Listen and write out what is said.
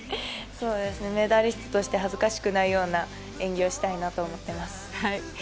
メダリストとして恥ずかしくないような演技をしたいなと思っています。